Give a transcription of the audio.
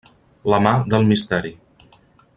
La mà del misteri.